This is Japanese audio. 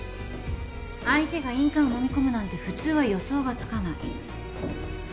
相手が印鑑をのみ込むなんて普通は予想がつかない。